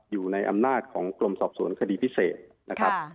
อยู่ในอำนาจของกรมสอบสวนคดีพิเศษนะครับ